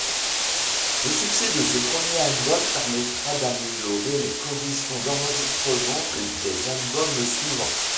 Le succès de ce premier album permettra d'améliorer les conditions d'enregistrements des albums suivants.